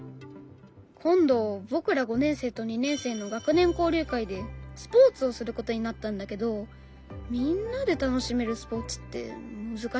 今度僕ら５年生と２年生の学年交流会でスポーツをすることになったんだけどみんなで楽しめるスポーツって難しいなって。